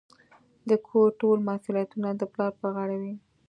د کور ټول مسوليتونه د پلار په غاړه وي.